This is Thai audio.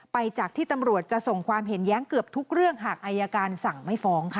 จากที่ตำรวจจะส่งความเห็นแย้งเกือบทุกเรื่องหากอายการสั่งไม่ฟ้องค่ะ